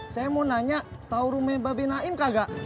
saya mau nanya tahu rumah bapak naim kagak